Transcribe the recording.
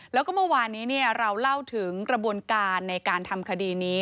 แล้วก็เมื่อวานนี้เราเล่าถึงกระบวนการในการทำคดีนี้